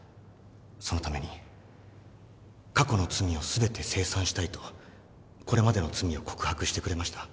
そのために過去の罪を全て清算したいとこれまでの罪を告白してくれました。